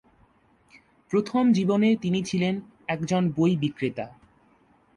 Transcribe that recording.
প্রথম জীবনে তিনি ছিলেন একজন বই বিক্রেতা।